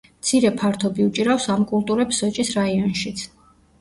მცირე ფართობი უჭირავს ამ კულტურებს სოჭის რაიონშიც.